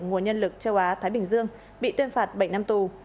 nguồn nhân lực châu á thái bình dương bị tuyên phạt bảy năm tù